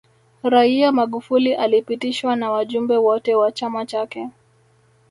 raia magufuli alipitishwa na wajumbe wote wa chama chake